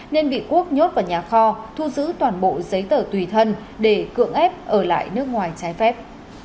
nên bị quốc nhốt vào nhà kho thu giữ toàn bộ giấy tờ tùy thân để cưỡng ép ở lại nước ngoài trái phép